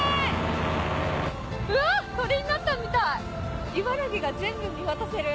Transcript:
うわ鳥になったみたい！